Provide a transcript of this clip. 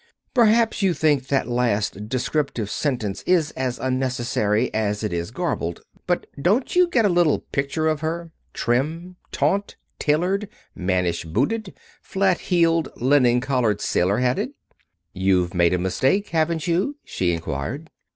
(Perhaps you think that last descriptive sentence is as unnecessary as it is garbled. But don't you get a little picture of her trim, taut, tailored, mannish booted, flat heeled, linen collared, sailor hatted?) "You've made a mistake, haven't you?" she inquired.